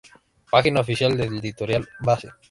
Página oficial de Editorial Base